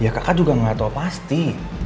ya kakak juga gak tau pasti